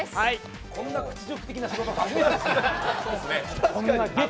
こんな屈辱的な仕事、初めてです。